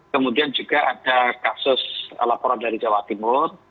kemudian juga ada kasus laporan dari jawa timur